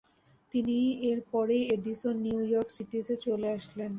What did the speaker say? তিনি এরপরেই Edison New York সিটিতে চলে আসেন।